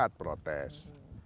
ada yang protes